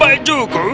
oh bajuku bajuku